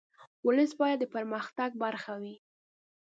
ولس باید د پرمختګ برخه وي.